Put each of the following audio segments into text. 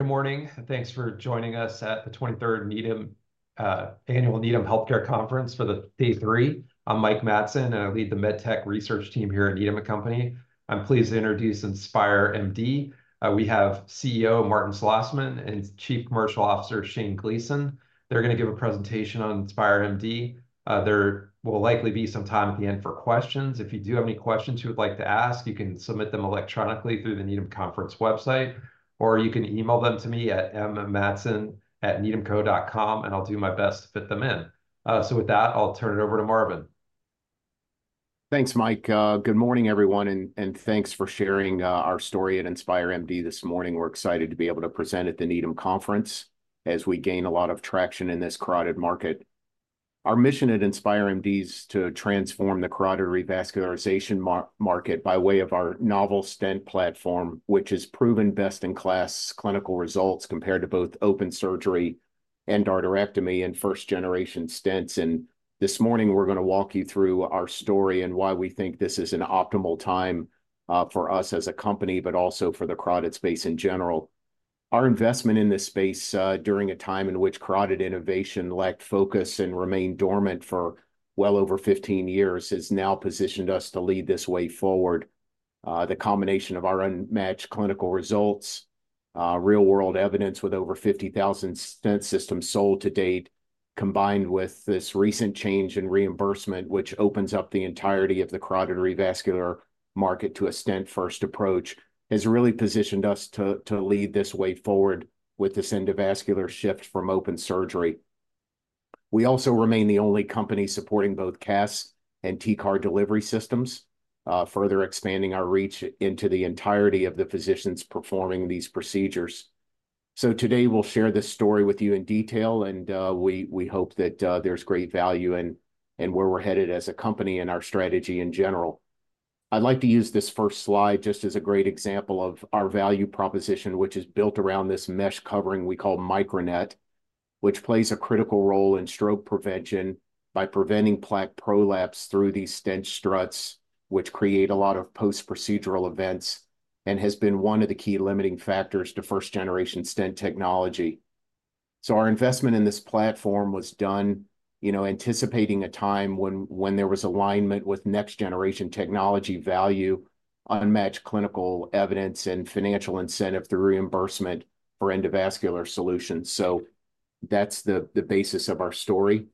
Good morning. Thanks for joining us at the 23rd annual Needham Healthcare Conference for day 3. I'm Mike Matson, and I lead the MedTech Research Team here at Needham & Company. I'm pleased to introduce InspireMD. We have CEO Marvin Slosman and Chief Commercial Officer Shane Gleason. They're gonna give a presentation on InspireMD. There will likely be some time at the end for questions. If you do have any questions you would like to ask, you can submit them electronically through the Needham Conference website, or you can email them to me at mmatson@needhamco.com, and I'll do my best to fit them in. So with that, I'll turn it over to Marvin. Thanks, Mike. Good morning, everyone. and thanks for sharing our story at InspireMD this morning. We're excited to be able to present at the Needham Conference as we gain a lot of traction in this carotid market. Our mission at InspireMD is to transform the carotid revascularization market by way of our novel stent platform, which has proven best-in-class clinical results compared to both open surgery and endarterectomy and first-generation stents. This morning, we're gonna walk you through our story and why we think this is an optimal time, for us as a company, but also for the carotid space in general. Our investment in this space, during a time in which carotid innovation lacked focus and remained dormant for well over 15 years, has now positioned us to lead this way forward. The combination of our unmatched clinical results, real-world evidence with over 50,000 stent systems sold to date, combined with this recent change in reimbursement, which opens up the entirety of the carotid revascular market to a stent-first approach, has really positioned us to lead this way forward with this endovascular shift from open surgery. We also remain the only company supporting both CAS and TCAR delivery systems, further expanding our reach into the entirety of the physicians performing these procedures. So today, we'll share this story with you in detail, and we hope that there's great value in where we're headed as a company and our strategy in general. I'd like to use this first slide just as a great example of our value proposition, which is built around this mesh covering we call MicroNet, which plays a critical role in stroke prevention by preventing plaque prolapse through these stent struts, which create a lot of post-procedural events and has been one of the key limiting factors to first-generation stent technology. So our investment in this platform was done, you know, anticipating a time when there was alignment with next-generation technology value, unmatched clinical evidence, and financial incentive through reimbursement for endovascular solutions. So that's the basis of our story.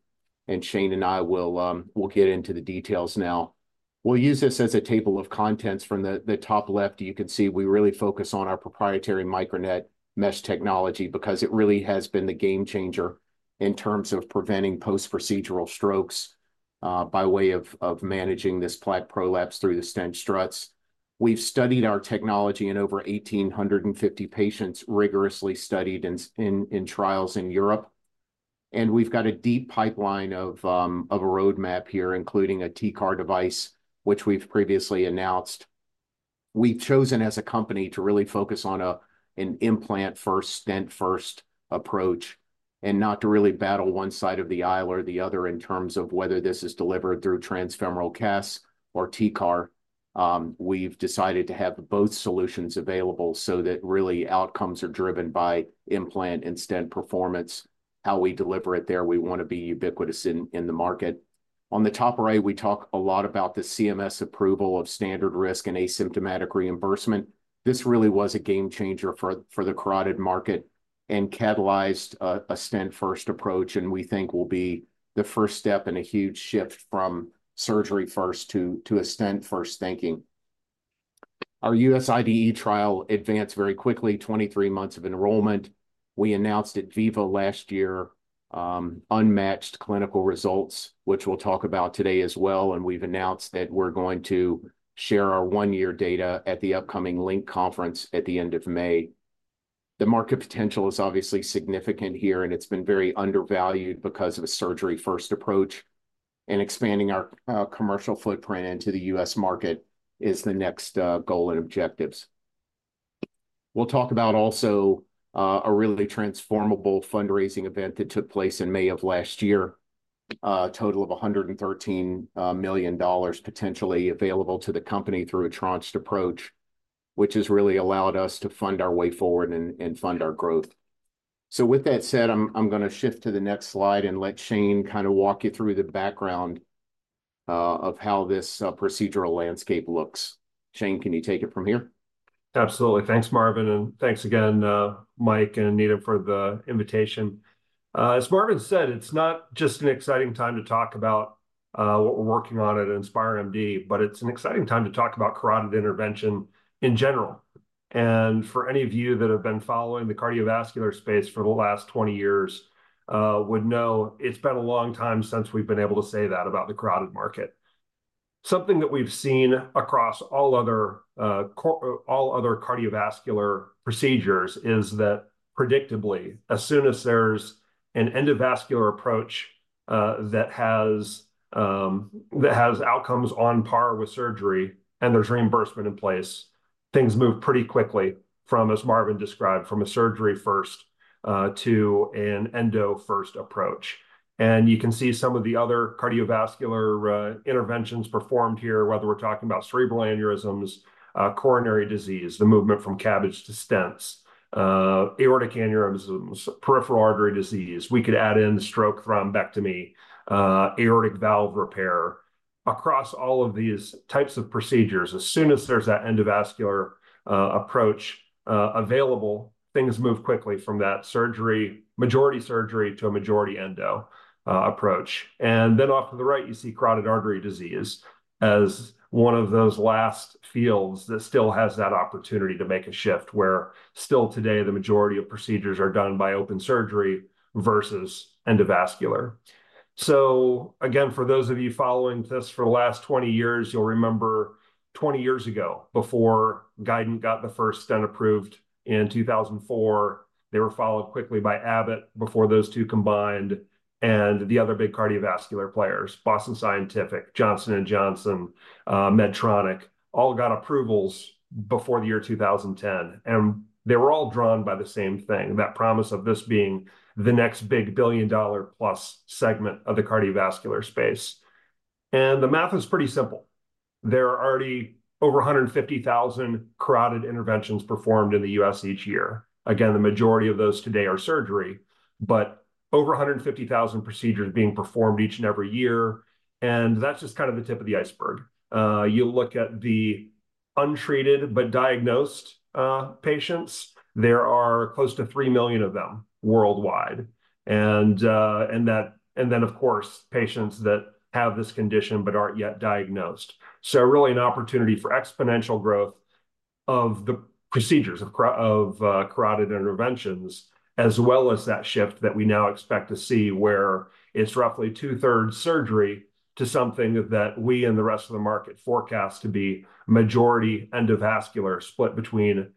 And Shane and I will get into the details now. We'll use this as a table of contents. From the top left, you can see we really focus on our proprietary MicroNet mesh technology because it really has been the game changer in terms of preventing post-procedural strokes, by way of managing this plaque prolapse through the stent struts. We've studied our technology in over 1,850 patients, rigorously studied in trials in Europe. And we've got a deep pipeline of a roadmap here, including a T-CAR device, which we've previously announced. We've chosen as a company to really focus on an implant-first, stent-first approach and not to really battle one side of the aisle or the other in terms of whether this is delivered through transfemoral CAS or T-CAR. We've decided to have both solutions available so that really outcomes are driven by implant and stent performance. How we deliver it there, we wanna be ubiquitous in, in the market. On the top right, we talk a lot about the CMS approval of standard risk and asymptomatic reimbursement. This really was a game changer for, for the carotid market and catalyzed, a stent-first approach, and we think will be the first step in a huge shift from surgery-first to, to a stent-first thinking. Our U.S. IDE trial advanced very quickly, 23 months of enrollment. We announced at VIVA last year, unmatched clinical results, which we'll talk about today as well. And we've announced that we're going to share our 1-year data at the upcoming LINC Conference at the end of May. The market potential is obviously significant here, and it's been very undervalued because of a surgery-first approach. And expanding our, commercial footprint into the U.S. market is the next, goal and objectives. We'll talk about also a really transformable fundraising event that took place in May of last year, a total of $113 million potentially available to the company through a tranche approach, which has really allowed us to fund our way forward and fund our growth. So with that said, I'm gonna shift to the next slide and let Shane kinda walk you through the background of how this procedural landscape looks. Shane, can you take it from here? Absolutely. Thanks, Marvin. And thanks again, Mike and Needham for the invitation. As Marvin said, it's not just an exciting time to talk about what we're working on at InspireMD, but it's an exciting time to talk about carotid intervention in general. And for any of you that have been following the cardiovascular space for the last 20 years would know it's been a long time since we've been able to say that about the carotid market. Something that we've seen across all other cardiovascular procedures is that predictably, as soon as there's an endovascular approach that has, that has outcomes on par with surgery and there's reimbursement in place, things move pretty quickly from, as Marvin described, from a surgery-first to an endo-first approach. And you can see some of the other cardiovascular interventions performed here, whether we're talking about cerebral aneurysms, coronary disease, the movement from CABG to stents, aortic aneurysms, peripheral artery disease. We could add in stroke thrombectomy, aortic valve repair. Across all of these types of procedures, as soon as there's that endovascular approach available, things move quickly from that surgery, majority surgery, to a majority endo approach. And then off to the right, you see carotid artery disease as one of those last fields that still has that opportunity to make a shift where still today, the majority of procedures are done by open surgery versus endovascular. So again, for those of you following this for the last 20 years, you'll remember 20 years ago, before Guidant got the first stent approved in 2004, they were followed quickly by Abbott before those two combined and the other big cardiovascular players, Boston Scientific, Johnson & Johnson, Medtronic, all got approvals before the year 2010. And they were all drawn by the same thing, that promise of this being the next big billion-dollar-plus segment of the cardiovascular space. And the math is pretty simple. There are already over 150,000 carotid interventions performed in the U.S. each year. Again, the majority of those today are surgery, but over 150,000 procedures being performed each and every year. And that's just kinda the tip of the iceberg. You look at the untreated but diagnosed patients; there are close to 3 million of them worldwide. And then, of course, patients that have this condition but aren't yet diagnosed. So really an opportunity for exponential growth of the procedures of carotid interventions, as well as that shift that we now expect to see where it's roughly two-thirds surgery to something that we and the rest of the market forecast to be majority endovascular split between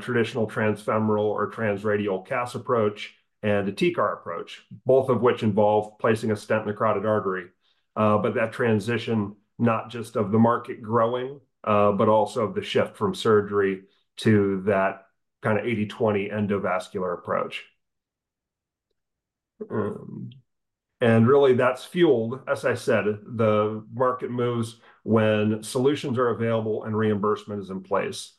traditional transfemoral or transradial CAS approach and a TCAR approach, both of which involve placing a stent in the carotid artery. But that transition not just of the market growing, but also of the shift from surgery to that kinda 80-20 endovascular approach. And really, that's fueled, as I said, the market moves when solutions are available and reimbursement is in place.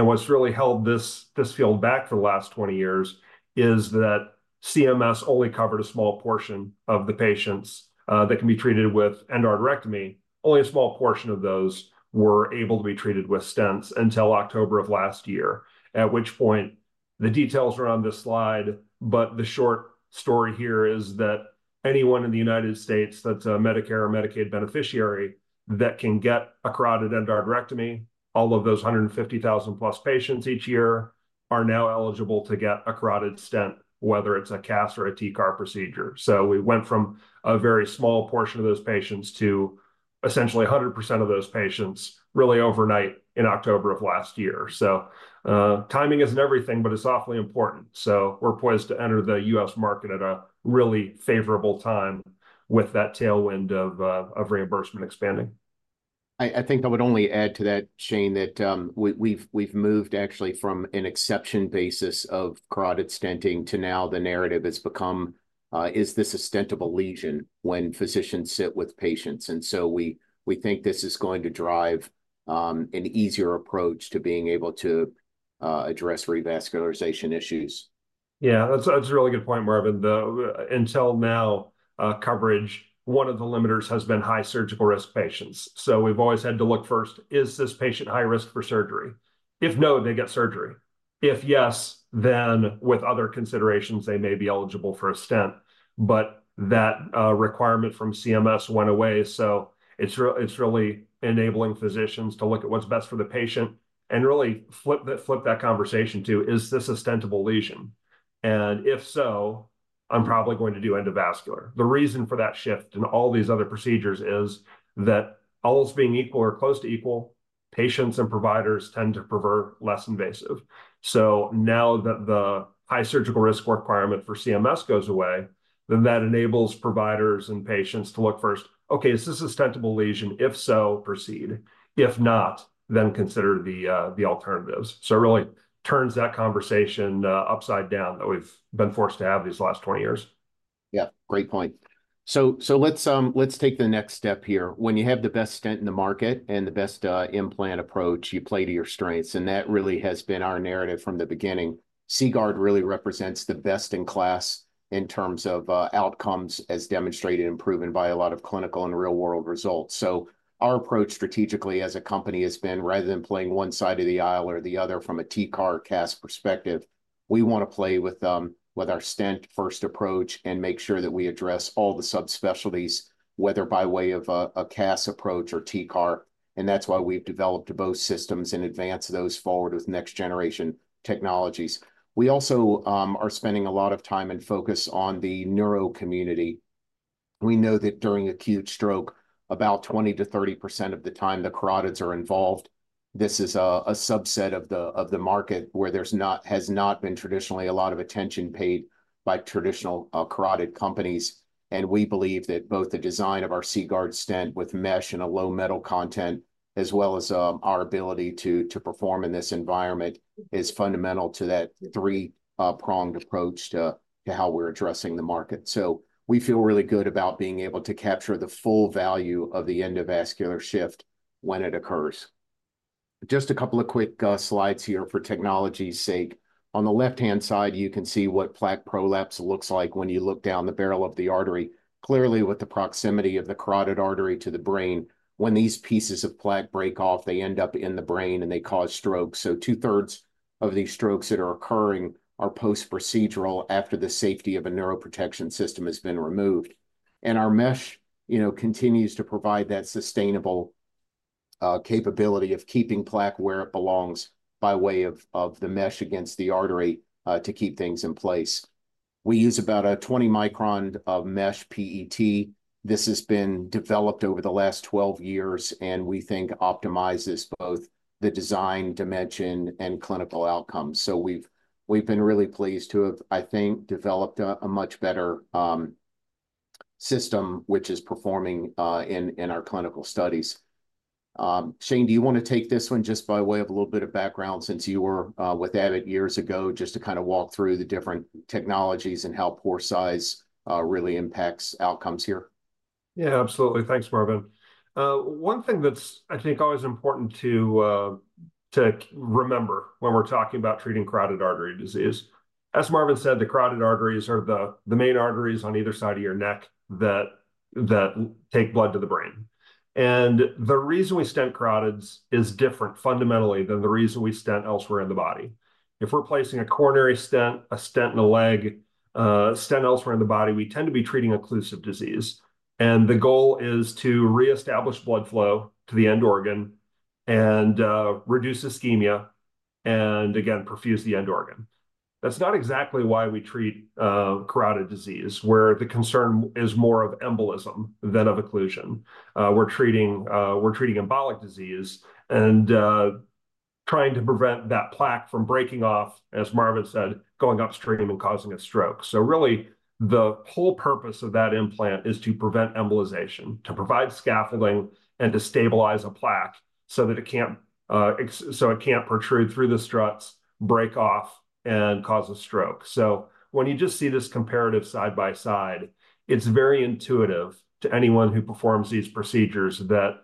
What's really held this field back for the last 20 years is that CMS only covered a small portion of the patients that can be treated with endarterectomy. Only a small portion of those were able to be treated with stents until October of last year, at which point the details are on this slide. The short story here is that anyone in the United States that's a Medicare or Medicaid beneficiary that can get a carotid endarterectomy, all of those 150,000-plus patients each year are now eligible to get a carotid stent, whether it's a CAS or a TCAR procedure. We went from a very small portion of those patients to essentially 100% of those patients really overnight in October of last year. Timing isn't everything, but it's awfully important. We're poised to enter the U.S. market at a really favorable time with that tailwind of reimbursement expanding. I think I would only add to that, Shane, that we've moved actually from an exception basis of carotid stenting to now the narrative has become, is this a stentable lesion when physicians sit with patients? And so we think this is going to drive an easier approach to being able to address revascularization issues. Yeah. That's a really good point, Marvin. Until now, coverage, one of the limiters has been high surgical risk patients. So we've always had to look first, is this patient high risk for surgery? If no, they get surgery. If yes, then with other considerations, they may be eligible for a stent. But that requirement from CMS went away. So it's really enabling physicians to look at what's best for the patient and really flip that conversation to, is this a stentable lesion? And if so, I'm probably going to do endovascular. The reason for that shift in all these other procedures is that all else being equal or close to equal, patients and providers tend to prefer less invasive. So now that the high surgical risk requirement for CMS goes away, then that enables providers and patients to look first, okay, is this a stentable lesion? If so, proceed. If not, then consider the alternatives. So it really turns that conversation upside down that we've been forced to have these last 20 years. Yeah. Great point. So so let's, let's take the next step here. When you have the best stent in the market and the best, implant approach, you play to your strengths. And that really has been our narrative from the beginning. CGuard really represents the best in class in terms of, outcomes as demonstrated and proven by a lot of clinical and real-world results. So our approach strategically as a company has been, rather than playing one side of the aisle or the other from a TCAR or CAS perspective, we wanna play with, with our stent-first approach and make sure that we address all the subspecialties, whether by way of a a CAS approach or TCAR. And that's why we've developed both systems in advance of those forward with next-generation technologies. We also are spending a lot of time and focus on the neuro community. We know that during acute stroke, about 20%-30% of the time, the carotids are involved. This is a subset of the market where there's not been traditionally a lot of attention paid by traditional carotid companies. We believe that both the design of our CGuard stent with mesh and a low metal content, as well as our ability to perform in this environment, is fundamental to that three-pronged approach to how we're addressing the market. We feel really good about being able to capture the full value of the endovascular shift when it occurs. Just a couple of quick slides here for technology's sake. On the left-hand side, you can see what plaque prolapse looks like when you look down the barrel of the artery, clearly with the proximity of the carotid artery to the brain. When these pieces of plaque break off, they end up in the brain and they cause strokes. So two-thirds of these strokes that are occurring are post-procedural after the safety of a neuroprotection system has been removed. And our mesh, you know, continues to provide that sustainable capability of keeping plaque where it belongs by way of the mesh against the artery, to keep things in place. We use about a 20-micron of mesh PET. This has been developed over the last 12 years, and we think optimizes both the design dimension and clinical outcomes. So we've been really pleased to have, I think, developed a much better system, which is performing in our clinical studies. Shane, do you wanna take this one just by way of a little bit of background since you were with Abbott years ago, just to kinda walk through the different technologies and how pore size really impacts outcomes here? Yeah. Absolutely. Thanks, Marvin. One thing that's, I think, always important to remember when we're talking about treating carotid artery disease. As Marvin said, the carotid arteries are the main arteries on either side of your neck that take blood to the brain. And the reason we stent carotids is different fundamentally than the reason we stent elsewhere in the body. If we're placing a coronary stent, a stent in a leg, stent elsewhere in the body, we tend to be treating occlusive disease. And the goal is to reestablish blood flow to the end organ and, reduce ischemia and, again, perfuse the end organ. That's not exactly why we treat carotid disease, where the concern is more of embolism than of occlusion. We're treating embolic disease and, trying to prevent that plaque from breaking off, as Marvin said, going upstream and causing a stroke. So really, the whole purpose of that implant is to prevent embolization, to provide scaffolding, and to stabilize a plaque so that it can't protrude through the struts, break off, and cause a stroke. So when you just see this comparative side by side, it's very intuitive to anyone who performs these procedures that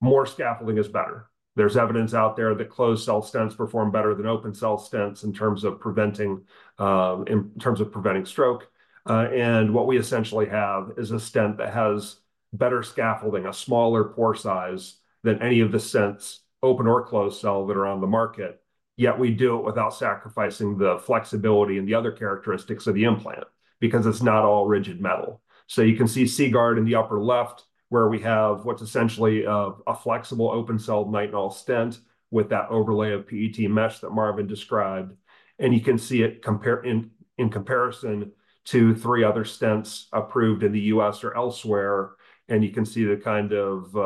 more scaffolding is better. There's evidence out there that closed cell stents perform better than open cell stents in terms of preventing stroke. And what we essentially have is a stent that has better scaffolding, a smaller pore size than any of the stents, open or closed cell, that are on the market, yet we do it without sacrificing the flexibility and the other characteristics of the implant because it's not all rigid metal. So you can see CGuard in the upper left where we have what's essentially a flexible open cell Nitinol stent with that overlay of PET mesh that Marvin described. You can see it compare in comparison to three other stents approved in the U.S. or elsewhere. You can see the kind of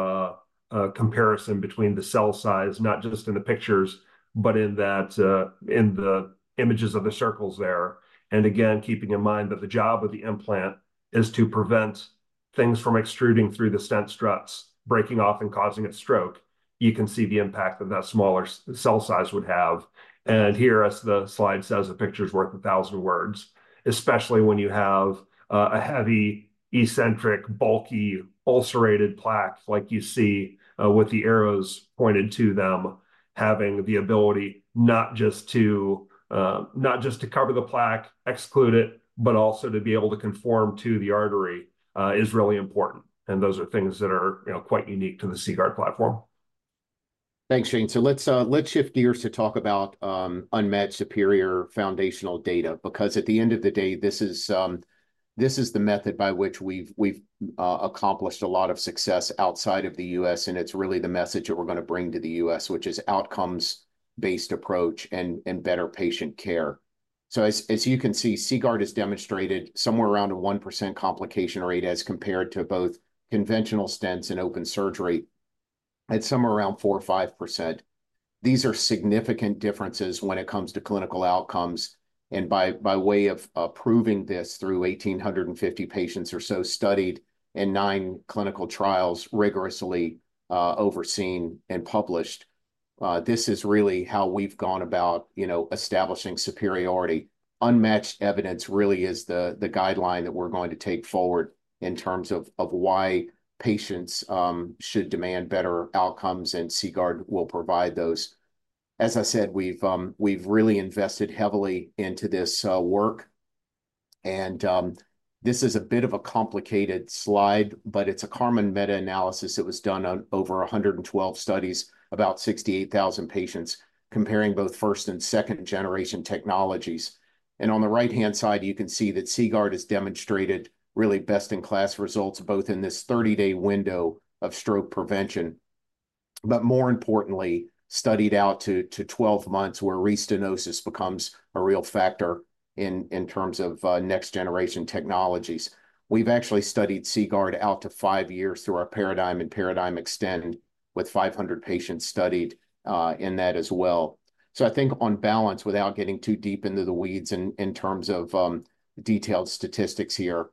comparison between the cell size, not just in the pictures, but in that the images of the circles there. Again, keeping in mind that the job of the implant is to prevent things from extruding through the stent struts, breaking off and causing a stroke, you can see the impact that smaller cell size would have. Here, as the slide says, a picture's worth a thousand words, especially when you have a heavy, eccentric, bulky, ulcerated plaque like you see, with the arrows pointed to them having the ability not just to cover the plaque, exclude it, but also to be able to conform to the artery, is really important. And those are things that are, you know, quite unique to the CGuard platform. Thanks, Shane. So let's shift gears to talk about unmet superior foundational data because at the end of the day, this is the method by which we've accomplished a lot of success outside of the U.S. And it's really the message that we're gonna bring to the U.S., which is outcomes-based approach and better patient care. So as you can see, CGuard has demonstrated somewhere around a 1% complication rate as compared to both conventional stents and open surgery at somewhere around 4%-5%. These are significant differences when it comes to clinical outcomes. And by way of proving this through 1,850 patients or so studied in nine clinical trials rigorously overseen and published, this is really how we've gone about, you know, establishing superiority. Unmatched evidence really is the guideline that we're going to take forward in terms of why patients should demand better outcomes, and CGuard will provide those. As I said, we've really invested heavily into this work. This is a bit of a complicated slide, but it's a Carotid meta-analysis that was done on over 112 studies, about 68,000 patients, comparing both first and second-generation technologies. On the right-hand side, you can see that CGuard has demonstrated really best-in-class results both in this 30-day window of stroke prevention, but more importantly, studied out to 12 months where restenosis becomes a real factor in terms of next-generation technologies. We've actually studied CGuard out to five years through our PARADIGM and PARADIGM-Extend with 500 patients studied in that as well. So I think on balance, without getting too deep into the weeds in terms of detailed statistics here,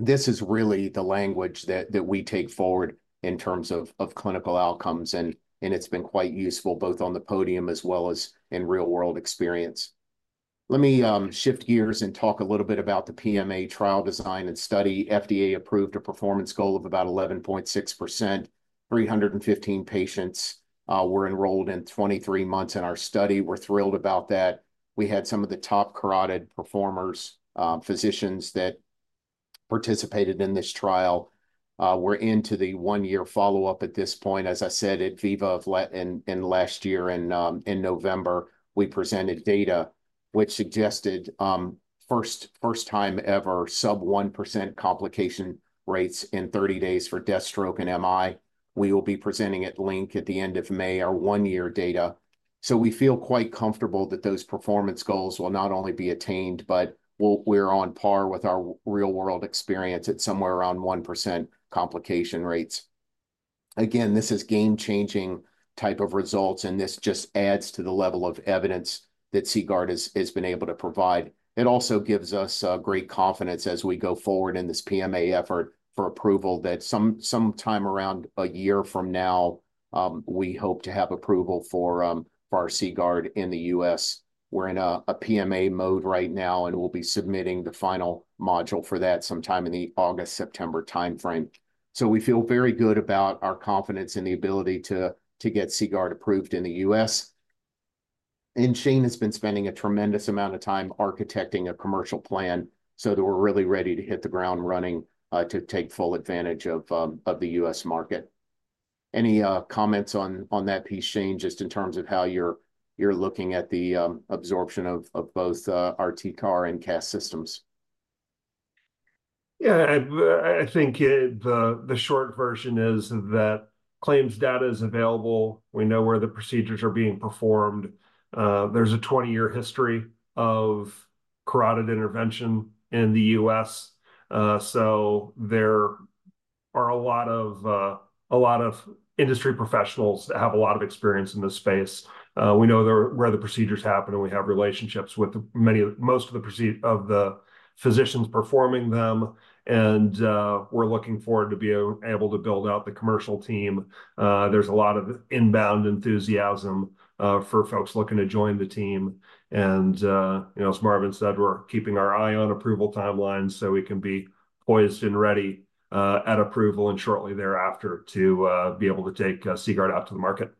this is really the language that we take forward in terms of clinical outcomes. And it's been quite useful both on the podium as well as in real-world experience. Let me shift gears and talk a little bit about the PMA trial design and study. FDA approved a performance goal of about 11.6%. 315 patients were enrolled in 23 months in our study. We're thrilled about that. We had some of the top carotid performers, physicians that participated in this trial who were into the one-year follow-up at this point. As I said, at VIVA in Leipzig last year in November, we presented data, which suggested, first time ever sub 1% complication rates in 30 days for death, stroke, and MI. We will be presenting at LINQ at the end of May our 1-year data. So we feel quite comfortable that those performance goals will not only be attained, but we're on par with our real-world experience at somewhere around 1% complication rates. Again, this is game-changing type of results, and this just adds to the level of evidence that CGuard has been able to provide. It also gives us great confidence as we go forward in this PMA effort for approval that some time around 1 year from now, we hope to have approval for our CGuard in the U.S. We're in a PMA mode right now, and we'll be submitting the final module for that sometime in the August-September timeframe. So we feel very good about our confidence in the ability to get CGuard approved in the U.S. Shane has been spending a tremendous amount of time architecting a commercial plan so that we're really ready to hit the ground running, to take full advantage of the U.S. market. Any comments on that piece, Shane, just in terms of how you're looking at the absorption of both our T-CAR and CAS systems? Yeah. I think the short version is that claims data is available. We know where the procedures are being performed. There's a 20-year history of carotid intervention in the U.S. So there are a lot of industry professionals that have a lot of experience in this space. We know where the procedures happen, and we have relationships with many, most of the providers, the physicians performing them. We're looking forward to be able to build out the commercial team. There's a lot of inbound enthusiasm for folks looking to join the team. You know, as Marvin said, we're keeping our eye on approval timelines so we can be poised and ready at approval and shortly thereafter to be able to take CGuard out to the market.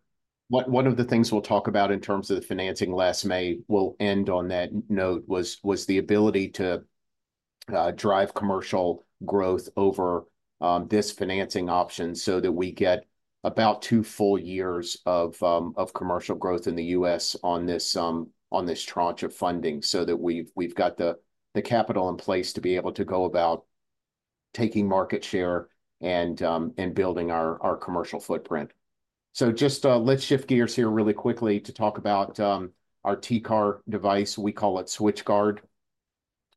One of the things we'll talk about in terms of the financing last May—we'll end on that note—was the ability to drive commercial growth over this financing option so that we get about two full years of commercial growth in the U.S. on this tranche of funding so that we've got the capital in place to be able to go about taking market share and building our commercial footprint. So just let's shift gears here really quickly to talk about our TCAR device. We call it SwitchGuard.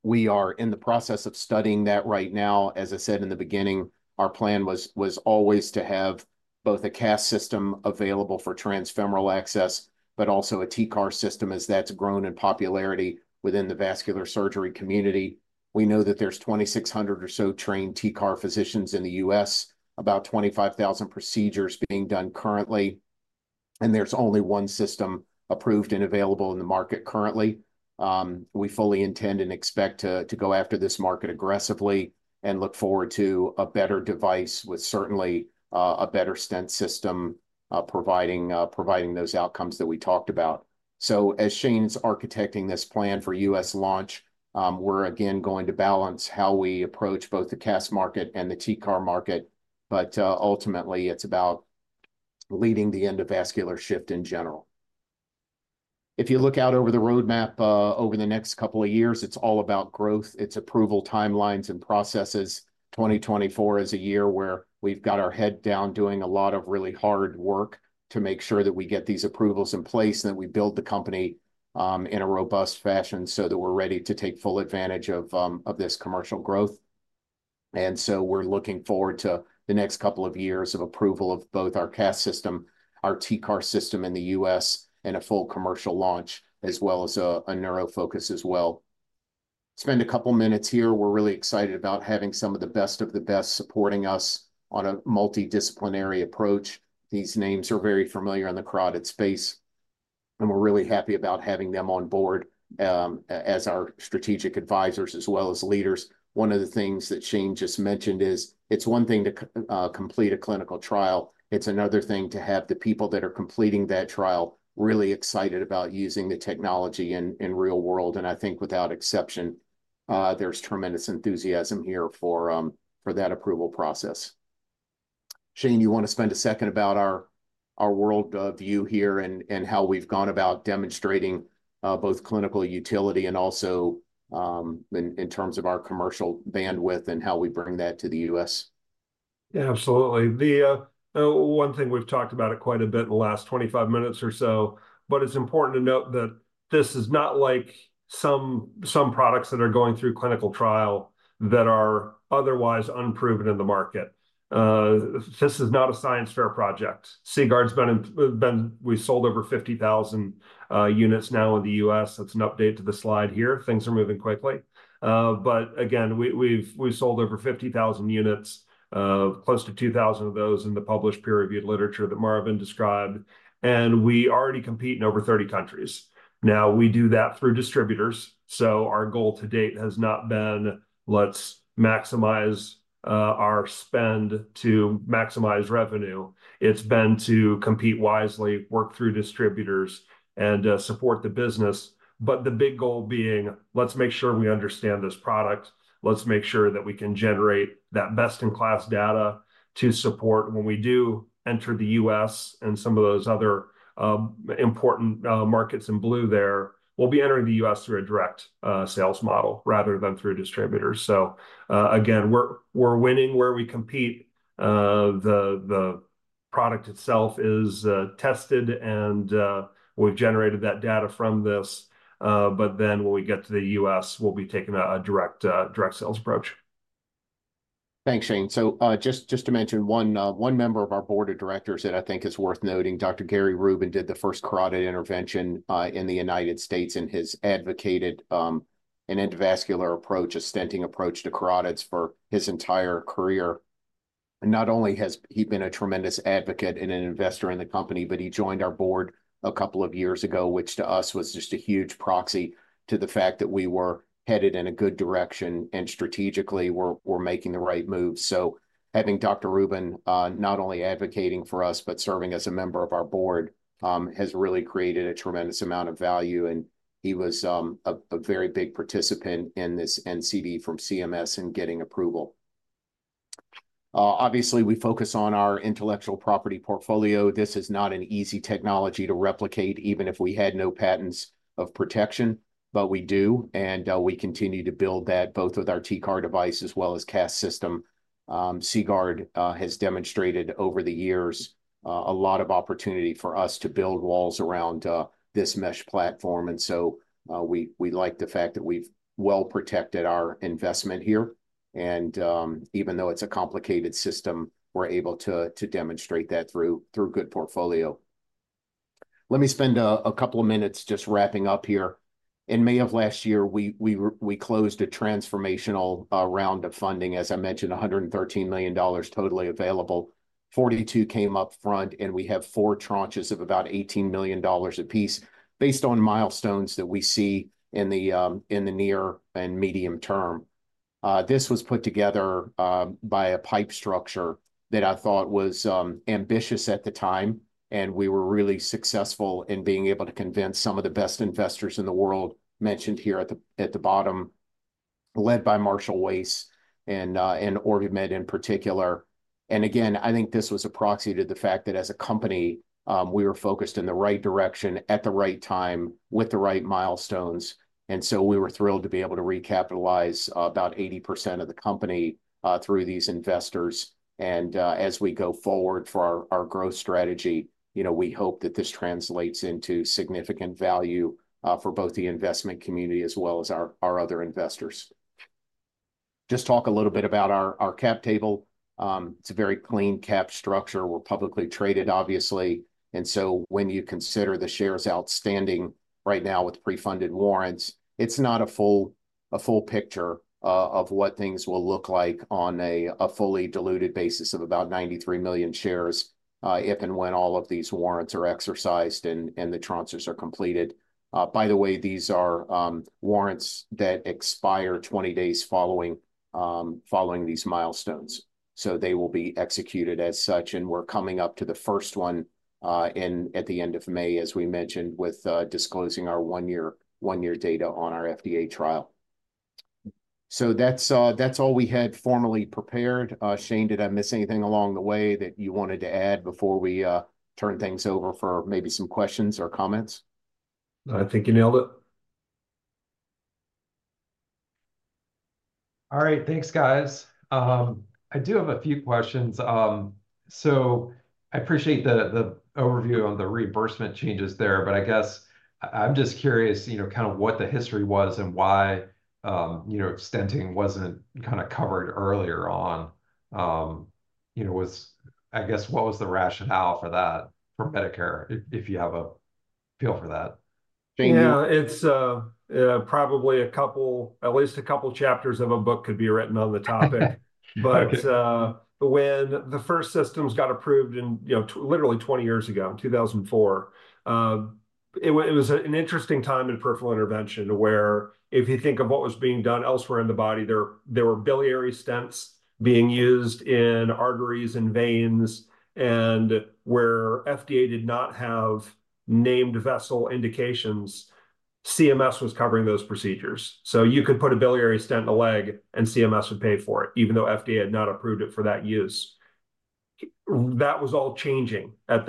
We are in the process of studying that right now. As I said in the beginning, our plan was always to have both a CAS system available for transfemoral access, but also a TCAR system as that's grown in popularity within the vascular surgery community. We know that there's 2,600 or so trained TCAR physicians in the U.S., about 25,000 procedures being done currently. There's only one system approved and available in the market currently. We fully intend and expect to go after this market aggressively and look forward to a better device with certainly, a better stent system, providing those outcomes that we talked about. So as Shane's architecting this plan for U.S. launch, we're, again, going to balance how we approach both the CAS market and the TCAR market. Ultimately, it's about leading the end of vascular shift in general. If you look out over the roadmap, over the next couple of years, it's all about growth. It's approval timelines and processes. 2024 is a year where we've got our head down doing a lot of really hard work to make sure that we get these approvals in place and that we build the company in a robust fashion so that we're ready to take full advantage of this commercial growth. So we're looking forward to the next couple of years of approval of both our CAS system, our T-CAR system in the U.S., and a full commercial launch as well as a neuro focus as well. Spend a couple minutes here. We're really excited about having some of the best of the best supporting us on a multidisciplinary approach. These names are very familiar in the carotid space. We're really happy about having them on board as our strategic advisors as well as leaders. One of the things that Shane just mentioned is it's one thing to complete a clinical trial. It's another thing to have the people that are completing that trial really excited about using the technology in real world. I think without exception, there's tremendous enthusiasm here for that approval process. Shane, you wanna spend a second about our worldview here and how we've gone about demonstrating both clinical utility and also in terms of our commercial bandwidth and how we bring that to the U.S.? Yeah, absolutely. The one thing we've talked about it quite a bit in the last 25 minutes or so, but it's important to note that this is not like some products that are going through clinical trial that are otherwise unproven in the market. This is not a science fair project. CGuard's been in. We've sold over 50,000 units now in the US. That's an update to the slide here. Things are moving quickly. But again, we've sold over 50,000 units, close to 2,000 of those in the published peer-reviewed literature that Marvin described. And we already compete in over 30 countries. Now, we do that through distributors. So our goal to date has not been, let's maximize our spend to maximize revenue. It's been to compete wisely, work through distributors, and support the business. But the big goal being, let's make sure we understand this product. Let's make sure that we can generate that best-in-class data to support when we do enter the US and some of those other important markets in blue there. We'll be entering the US through a direct sales model rather than through distributors. So, again, we're winning where we compete. The product itself is tested, and we've generated that data from this. But then when we get to the US, we'll be taking a direct sales approach. Thanks, Shane. So, just to mention one member of our board of directors that I think is worth noting, Dr. Gary Roubin, did the first carotid intervention in the United States and has advocated an endovascular approach, a stenting approach to carotids for his entire career. And not only has he been a tremendous advocate and an investor in the company, but he joined our board a couple of years ago, which to us was just a huge proxy to the fact that we were headed in a good direction and strategically were making the right moves. So having Dr. Roubin, not only advocating for us but serving as a member of our board, has really created a tremendous amount of value. He was a very big participant in this NCD from CMS and getting approval. Obviously, we focus on our intellectual property portfolio. This is not an easy technology to replicate, even if we had no patents of protection. But we do. And we continue to build that both with our T-CAR device as well as CAS system. CGuard has demonstrated over the years a lot of opportunity for us to build walls around this mesh platform. And so, we like the fact that we've well protected our investment here. And even though it's a complicated system, we're able to demonstrate that through good portfolio. Let me spend a couple of minutes just wrapping up here. In May of last year, we closed a transformational round of funding. As I mentioned, $113 million totally available. 42 came up front, and we have 4 tranches of about $18 million apiece based on milestones that we see in the near and medium term. This was put together by a PIPE structure that I thought was ambitious at the time. And we were really successful in being able to convince some of the best investors in the world mentioned here at the bottom, led by Marshall Wace and OrbiMed in particular. And again, I think this was a proxy to the fact that as a company, we were focused in the right direction at the right time with the right milestones. And so we were thrilled to be able to recapitalize about 80% of the company through these investors. As we go forward for our our growth strategy, you know, we hope that this translates into significant value, for both the investment community as well as our our other investors. Just talk a little bit about our our cap table. It's a very clean cap structure. We're publicly traded, obviously. So when you consider the shares outstanding right now with pre-funded warrants, it's not a full a full picture, of what things will look like on a a fully diluted basis of about 93 million shares, if and when all of these warrants are exercised and and the tranches are completed. By the way, these are, warrants that expire 20 days following, following these milestones. So they will be executed as such. We're coming up to the first one, at the end of May, as we mentioned, with disclosing our one-year data on our FDA trial. So that's all we had formally prepared. Shane, did I miss anything along the way that you wanted to add before we turn things over for maybe some questions or comments? No, I think you nailed it. All right. Thanks, guys. I do have a few questions. So I appreciate the overview on the reimbursement changes there, but I guess I'm just curious, you know, kind of what the history was and why, you know, stenting wasn't kind of covered earlier on. You know, was I guess what was the rationale for that for Medicare if you have a feel for that? Shane? Yeah. It's probably at least a couple chapters of a book could be written on the topic. But when the first systems got approved in, you know, literally 20 years ago, in 2004, it was an interesting time in peripheral intervention to where if you think of what was being done elsewhere in the body, there were biliary stents being used in arteries and veins. And where FDA did not have named vessel indications, CMS was covering those procedures. So you could put a biliary stent in a leg, and CMS would pay for it even though FDA had not approved it for that use. That was all changing at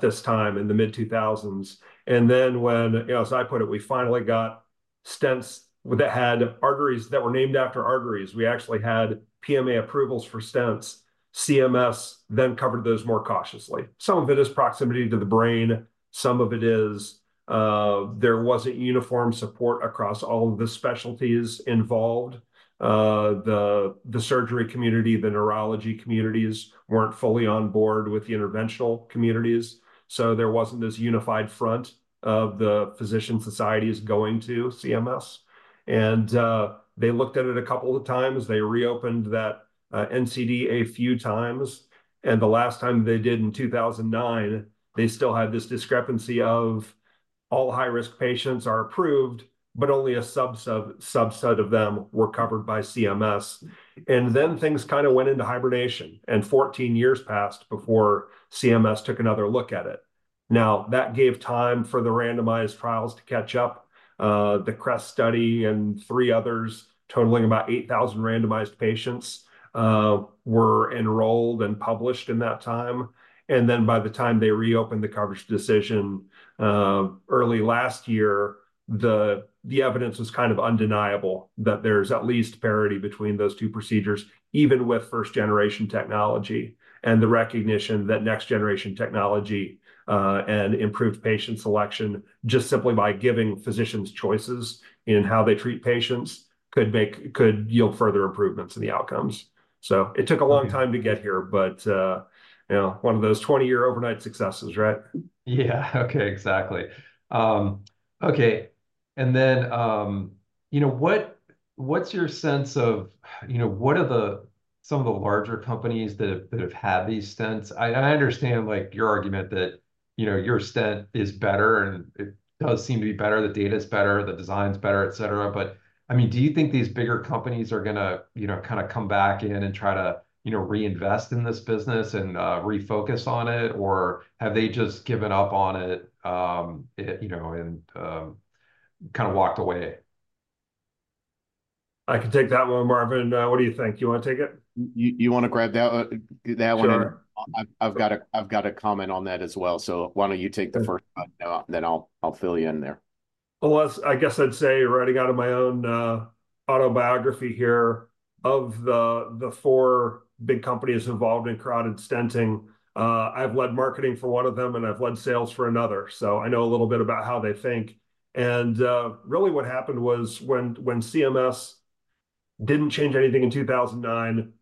this time in the mid-2000s. And then when, you know, as I put it, we finally got stents that had arteries that were named after arteries. We actually had PMA approvals for stents. CMS then covered those more cautiously. Some of it is proximity to the brain. Some of it is, there wasn't uniform support across all of the specialties involved. The surgery community, the neurology communities weren't fully on board with the interventional communities. So there wasn't this unified front of the physician societies going to CMS. They looked at it a couple of times. They reopened that NCD a few times. The last time they did in 2009, they still had this discrepancy of all high-risk patients are approved, but only a subset of subset of them were covered by CMS. Then things kind of went into hibernation, and 14 years passed before CMS took another look at it. Now, that gave time for the randomized trials to catch up. The CREST study and three others totaling about 8,000 randomized patients were enrolled and published in that time. And then by the time they reopened the coverage decision, early last year, the evidence was kind of undeniable that there's at least parity between those two procedures even with first-generation technology and the recognition that next-generation technology, and improved patient selection just simply by giving physicians choices in how they treat patients could yield further improvements in the outcomes. So it took a long time to get here, but, you know, one of those 20-year overnight successes, right? Yeah. Okay. Exactly. Okay. And then, you know, what's your sense of, you know, what are some of the larger companies that have had these stents? I understand, like, your argument that, you know, your stent is better and it does seem to be better. The data's better. The design's better, et cetera. But, I mean, do you think these bigger companies are gonna, you know, kind of come back in and try to, you know, reinvest in this business and refocus on it? Or have they just given up on it, you know, and kind of walked away? I can take that one, Marvin. What do you think? You wanna take it? You wanna grab that one? Sure. And I've got a comment on that as well. So why don't you take the first one? Now, then I'll fill you in there. Well, I guess I'd say, writing out of my own autobiography here of the four big companies involved in carotid stenting, I've led marketing for one of them, and I've led sales for another. So I know a little bit about how they think. And really what happened was when CMS didn't change anything in 2009,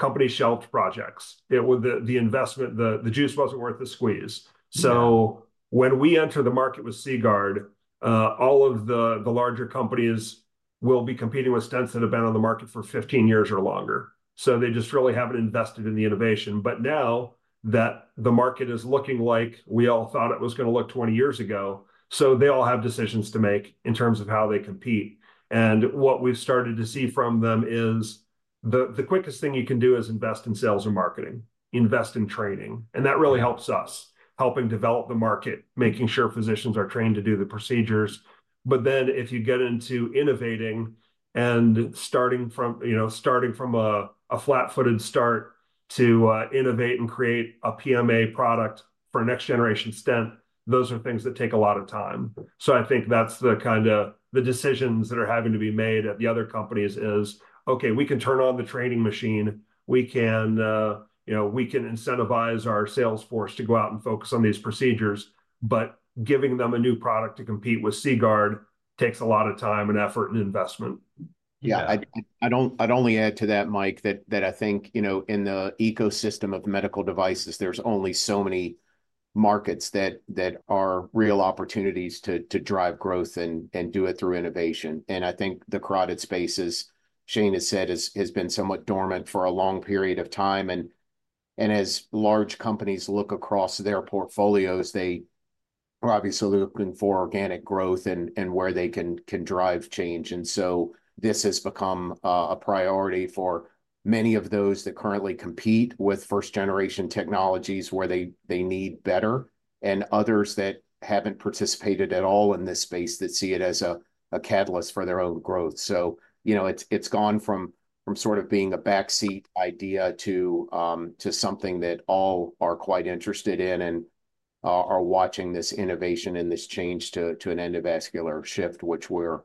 companies shelved projects. It was the investment. The juice wasn't worth the squeeze. So when we enter the market with CGuard, all of the larger companies will be competing with stents that have been on the market for 15 years or longer. So they just really haven't invested in the innovation. But now that the market is looking like we all thought it was gonna look 20 years ago, so they all have decisions to make in terms of how they compete. And what we've started to see from them is the quickest thing you can do is invest in sales or marketing. Invest in training. And that really helps us, helping develop the market, making sure physicians are trained to do the procedures. But then if you get into innovating and starting from, you know, starting from a flat-footed start to innovate and create a PMA product for a next-generation stent, those are things that take a lot of time. So I think that's the kind of decisions that are having to be made at the other companies is, okay, we can turn on the training machine. We can, you know, we can incentivize our sales force to go out and focus on these procedures. But giving them a new product to compete with CGuard takes a lot of time and effort and investment. Yeah. I don't. I'd only add to that, Mike, that I think, you know, in the ecosystem of medical devices, there's only so many markets that are real opportunities to drive growth and do it through innovation. And I think the carotid space is, Shane has said, has been somewhat dormant for a long period of time. And as large companies look across their portfolios, they are obviously looking for organic growth and where they can drive change. And so this has become a priority for many of those that currently compete with first-generation technologies where they need better and others that haven't participated at all in this space that see it as a catalyst for their own growth. So, you know, it's gone from sort of being a backseat idea to something that all are quite interested in and are watching this innovation and this change to an endovascular shift, which we're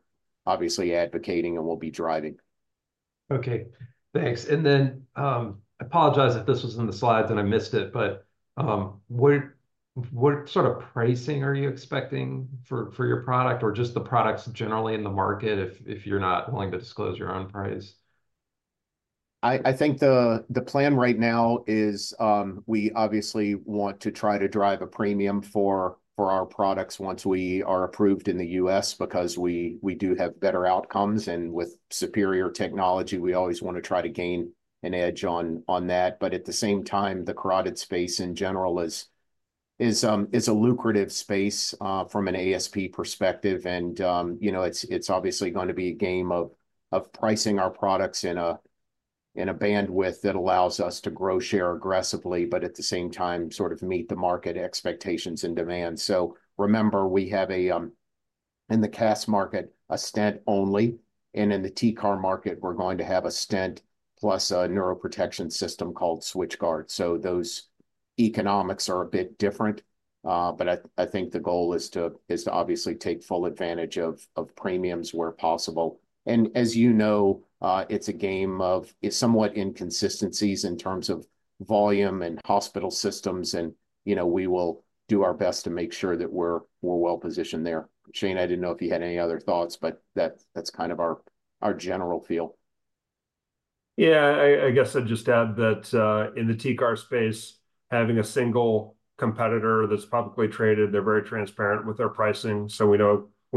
obviously advocating and will be driving. Okay. Thanks. And then, I apologize if this was in the slides and I missed it, but, what sort of pricing are you expecting for your product or just the products generally in the market if you're not willing to disclose your own price? I think the plan right now is, we obviously want to try to drive a premium for our products once we are approved in the US because we do have better outcomes. And with superior technology, we always wanna try to gain an edge on that. But at the same time, the carotid space in general is a lucrative space, from an ASP perspective. And, you know, it's obviously gonna be a game of pricing our products in a bandwidth that allows us to grow share aggressively but at the same time sort of meet the market expectations and demand. So remember, we have a, in the CAS market, a stent only. And in the T-CAR market, we're going to have a stent plus a neuroprotection system called SwitchGuard. So those economics are a bit different. But I think the goal is to obviously take full advantage of premiums where possible. And as you know, it's a game of somewhat inconsistencies in terms of volume and hospital systems. And, you know, we will do our best to make sure that we're well positioned there. Shane, I didn't know if you had any other thoughts, but that's kind of our general feel. Yeah. I guess I'd just add that, in the TCAR space, having a single competitor that's publicly traded, they're very transparent with their pricing. So we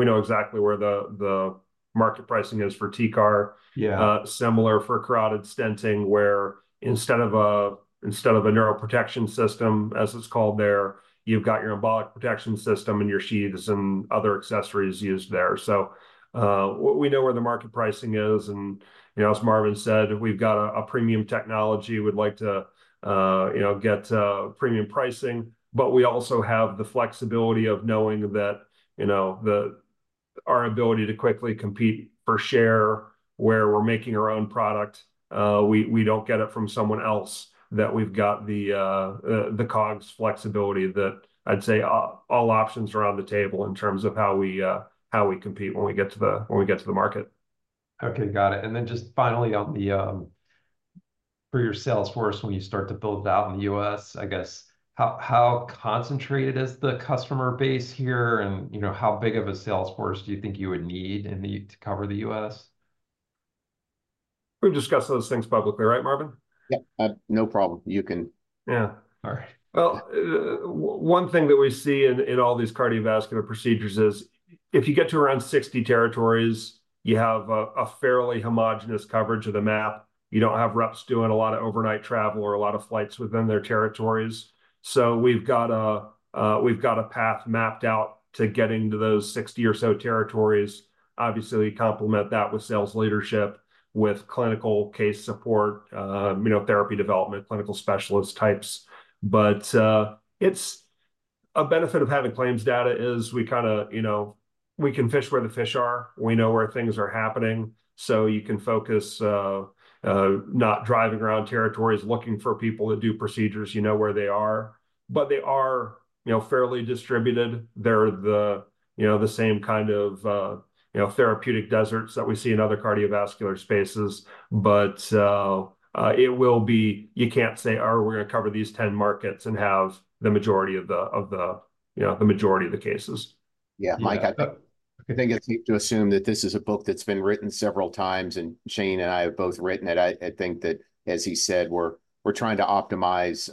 know exactly where the market pricing is for TCAR. Yeah. Similar for carotid stenting where instead of a neuroprotection system, as it's called there, you've got your embolic protection system and your sheaths and other accessories used there. So, we know where the market pricing is. And, you know, as Marvin said, we've got a premium technology. We'd like to, you know, get premium pricing. But we also have the flexibility of knowing that, you know, our ability to quickly compete for share where we're making our own product, we don't get it from someone else, that we've got the COGS flexibility that I'd say all options are on the table in terms of how we compete when we get to the market. Okay. Got it. And then just finally on the, for your sales force when you start to build it out in the U.S., I guess, how concentrated is the customer base here? And, you know, how big of a sales force do you think you would need in the to cover the U.S.? We've discussed those things publicly, right, Marvin? Yeah. I no problem. You can. Yeah. All right. Well, one thing that we see in all these cardiovascular procedures is if you get to around 60 territories, you have a fairly homogenous coverage of the map. You don't have reps doing a lot of overnight travel or a lot of flights within their territories. So we've got a path mapped out to getting to those 60 or so territories. Obviously, we complement that with sales leadership, with clinical case support, you know, therapy development, clinical specialist types. But, it's a benefit of having claims data is we kinda, you know, we can fish where the fish are. We know where things are happening. So you can focus, not driving around territories, looking for people that do procedures. You know where they are. But they are, you know, fairly distributed. They're the, you know, the same kind of, you know, therapeutic deserts that we see in other cardiovascular spaces. But, it will be you can't say, "Oh, we're gonna cover these 10 markets and have the majority of the of the, you know, the majority of the cases. Yeah. Mike, I think it's neat to assume that this is a book that's been written several times. And Shane and I have both written it. I think that, as he said, we're trying to optimize,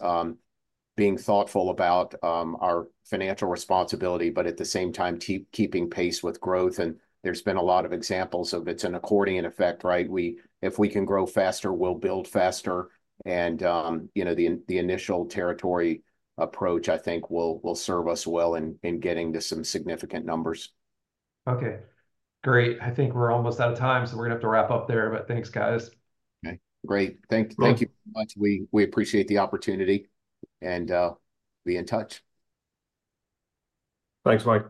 being thoughtful about, our financial responsibility but at the same time keeping pace with growth. And there's been a lot of examples of it's an accordion effect, right? We if we can grow faster, we'll build faster. And, you know, the initial territory approach, I think, will serve us well in getting to some significant numbers. Okay. Great. I think we're almost out of time. So we're gonna have to wrap up there. But thanks, guys. Okay. Great. Thank you very much. We appreciate the opportunity. And, be in touch. Thanks, Mike.